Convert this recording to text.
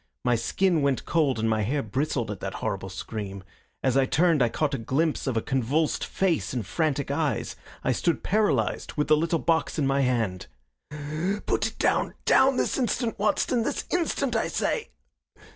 My skin went cold and my hair bristled at that horrible scream. As I turned I caught a glimpse of a convulsed face and frantic eyes. I stood paralyzed, with the little box in my hand. "Put it down! Down, this instant, Watson this instant, I say!"